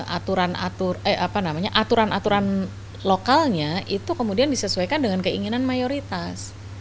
aturan aturan eh apa namanya aturan aturan lokalnya itu kemudian disesuaikan dengan keinginan mayoritas